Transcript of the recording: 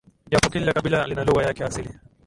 japo kila kabila lina lugha yake ya asili